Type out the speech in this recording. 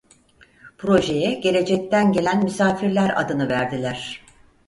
Projeye "Gelecekten Gelen Misafirler" adını verdiler.